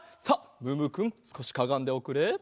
さあムームーくんすこしかがんでおくれ。